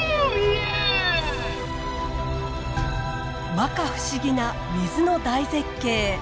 摩訶不思議な水の大絶景。